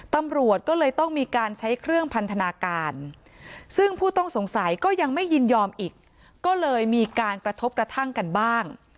ตำรวจก็เลยต้องมีการใช้เครื่องพันธนาการซึ่งผู้ต้องสงสัยก็ยังไม่ยินยอมอีกก็เลยมีการกระทบกระทั่งกันบ้าง